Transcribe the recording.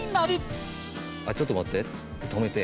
「あっちょっと待って」って止めて。